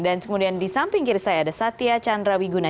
dan di samping kiri saya ada satya chandra wiguna